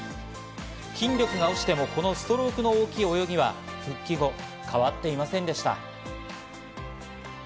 筋力が落ちても、このストロークの大きい泳ぎは復帰後も変わっていませんでした。